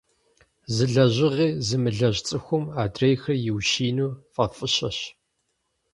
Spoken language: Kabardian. Зы лэжьыгъи зымылэжь цӀыхум адрейхэр иущиину фӀэфӀыщэщ.